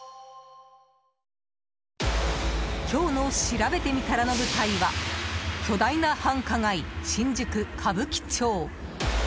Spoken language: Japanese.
今日のしらべてみたらの舞台は巨大な繁華街、新宿歌舞伎町。